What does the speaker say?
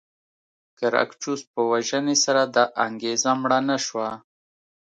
ګراکچوس په وژنې سره دا انګېزه مړه نه شوه.